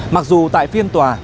mặc dù tại phiên tòa